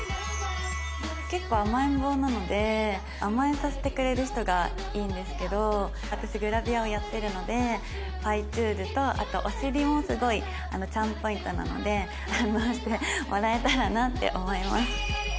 結構甘えん坊なので甘えさせてくれる人がいいんですけど私グラビアをやってるのでπちゅーるとあとお尻もすごいチャームポイントなので反応してもらえたらなって思います。